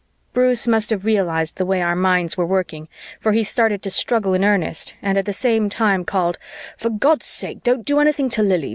Bruce must have realized the way our minds were working, for he started to struggle in earnest and at the same time called, "For God's sake, don't do anything to Lili!